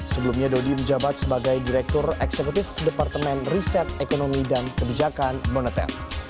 sebelumnya dodi menjabat sebagai direktur eksekutif departemen riset ekonomi dan kebijakan moneter